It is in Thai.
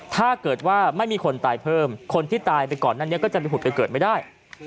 ถ้าเกิดว่าไม่มีคนตายเพิ่มคนที่ตายไปก่อนหน้านี้ก็จะไปผุดไปเกิดไม่ได้